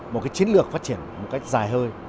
một cái chiến lược phát triển một cách dài hơi